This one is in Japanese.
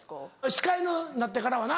司会なってからはな。